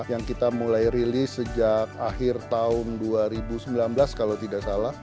yang kita mulai rilis sejak akhir tahun dua ribu sembilan belas kalau tidak salah